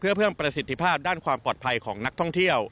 เพื่อเพิ่มประสิทธิภาพด้านความปลอดภัยของนักท่องเที่ยว